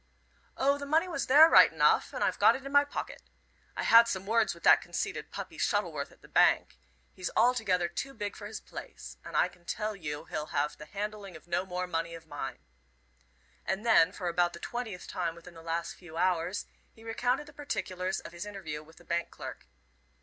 "O, the money was there, right enough, and I've got it in my pocket. I had some words with that conceited puppy, Shuttleworth, at the bank. He's altogether too big for his place, and I can tell you he'll have the handling of no more money of mine." And then, for about the twentieth time within the last few hours, he recounted the particulars of his interview with the bank clerk.